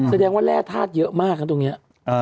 แสดงว่าแร่ธาตุเยอะมากนะตรงนี้